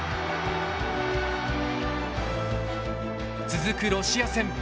続くロシア戦。